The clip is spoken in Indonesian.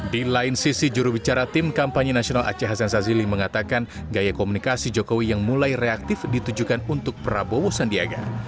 di lain sisi jurubicara tim kampanye nasional aceh hasan sazili mengatakan gaya komunikasi jokowi yang mulai reaktif ditujukan untuk prabowo sandiaga